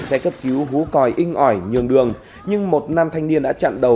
xe cấp cứu còi inh ỏi nhường đường nhưng một nam thanh niên đã chặn đầu